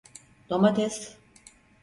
Domates…